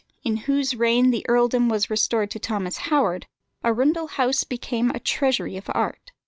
in whose reign the earldom was restored to Thomas Howard, Arundel House became a treasury of art.